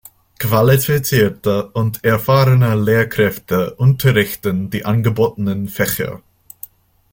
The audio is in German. Qualifizierte und erfahrene Lehrkräfte unterrichten die angebotenen Fächer.